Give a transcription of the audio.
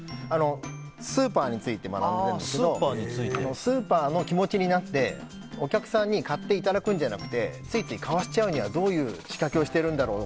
スーパーについて学んでいるんですけれどもスーパーの気持ちになってお客さんに買っていただくんじゃなくてついつい買わせちゃうにはどういう仕掛けをしてるんだろう。